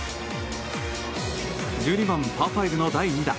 １２番、パー５の第２打。